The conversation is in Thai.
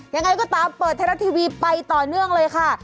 ยังไงก็ตามเปิดไทยรัฐทีวีไปต่อเนื่องเลยค่ะ